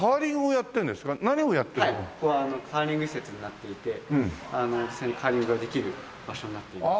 ここはカーリング施設になっていて実際にカーリングができる場所になっています。